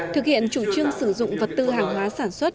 thực hiện chủ trương sử dụng vật tư hàng hóa sản xuất